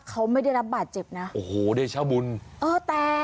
เค้าไม่ได้รับบาดเจ็บนะ